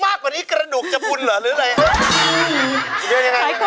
มากกว่านี้กระดุกญี่ปุ่นหรืออะไรครับ